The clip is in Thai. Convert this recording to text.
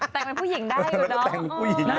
แต่งเป็นผู้หญิงได้อยู่เนาะ